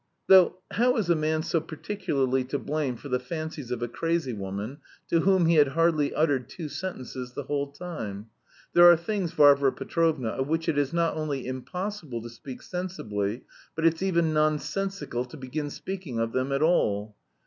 "Though, how is a man so particularly to blame for the fancies of a crazy woman, to whom he had hardly uttered two sentences the whole time. There are things, Varvara Petrovna, of which it is not only impossible to speak sensibly, but it's even nonsensical to begin speaking of them at all.